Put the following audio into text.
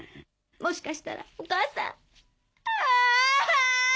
もしかしたらお母さん。